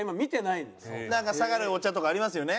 なんか下がるお茶とかありますよね。